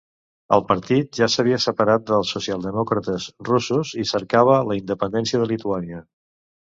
El partit ja s'havia separat dels socialdemòcrates russos i cercava la independència de Lituània.